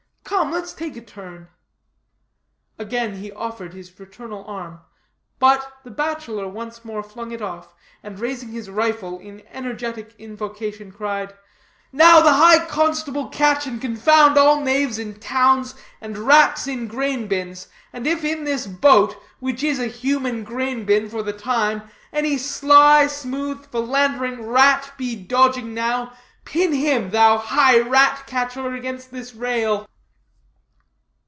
Come, let's take a turn." Again he offered his fraternal arm; but the bachelor once more flung it off, and, raising his rifle in energetic invocation, cried: "Now the high constable catch and confound all knaves in towns and rats in grain bins, and if in this boat, which is a human grain bin for the time, any sly, smooth, philandering rat be dodging now, pin him, thou high rat catcher, against this rail."